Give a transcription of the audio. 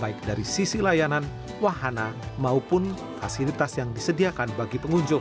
baik dari sisi layanan wahana maupun fasilitas yang disediakan bagi pengunjung